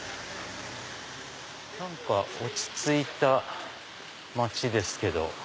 何か落ち着いた街ですけど。